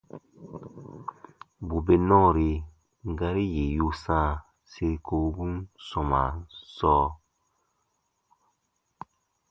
Bù bè nɔɔri gari yì yu sãa siri kowobun sɔmaa sɔɔ,